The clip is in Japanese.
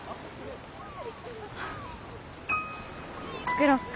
作ろっか。